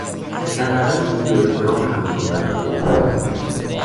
در معرض دید و احترام همگان قرار گرفتن